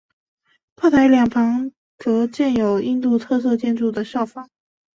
而炮台两旁则建有印度建筑特色的哨房。